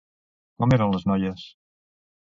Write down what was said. Com eren les noies?